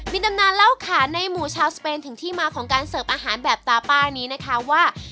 มีตำนานเล่าขานในหมู่ชาวสเปนถึงที่มาของการเสิร์ฟอาหารแบบตาป้านี้นะคะว่า